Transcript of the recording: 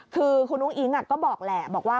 คือคุณอุ้งอิ๊งก็บอกแหละบอกว่า